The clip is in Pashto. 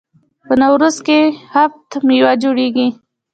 په نوروز کې هفت میوه جوړیږي.